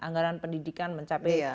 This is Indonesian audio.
anggaran pendidikan mencapai